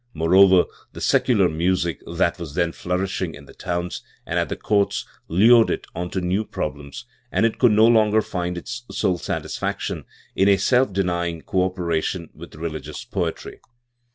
Moreover the secular music that was then flourishing in the towns and at the courts lured it on to new problems, and it could no longer find its sole satisfaction in a self denying co operation with religious poetry.